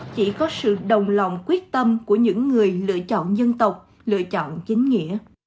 chỉ có sự đồng lòng quyết tâm của những người lựa chọn dân tộc lựa chọn chính nghĩa